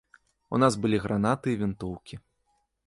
У нас былі гранаты і вінтоўкі.